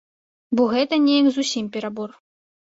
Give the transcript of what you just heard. Бо гэта неяк зусім перабор.